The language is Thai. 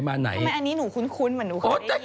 อันนี้หนูคุ้นเหมือนหนูเคยได้ยิน